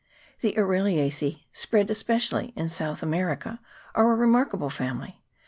The Araliacece, spread especially in South America, are a remarkable family.